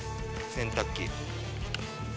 洗濯機。